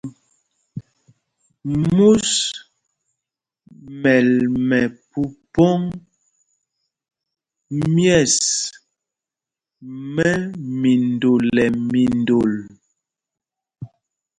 Mūs mɛ́l mɛ phúphōŋ mɛ̂ɛs mɛ́ mindol nɛ mindol.